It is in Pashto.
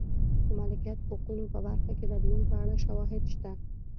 د مالکیت حقونو په برخه کې بدلون په اړه شواهد شته.